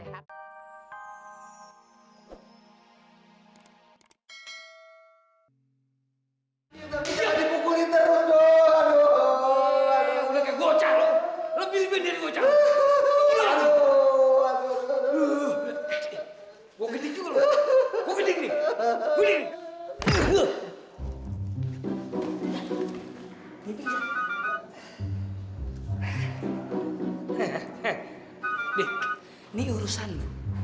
ya ampun gerhana